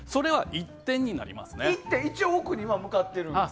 一応奥には向かってるんですか。